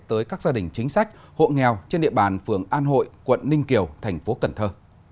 tới các gia đình chính sách hộ nghèo trên địa bàn phường an hội quận ninh kiều thành phố cần thơ